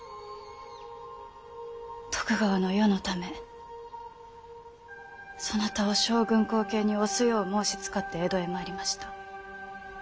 徳川の世のためそなたを将軍後継に推すよう申しつかって江戸へ参りました。